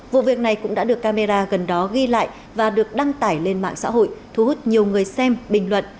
vụ việc này cũng đã được camera gần đó ghi lại và được đăng tải lên mạng xã hội thu hút nhiều người xem bình luận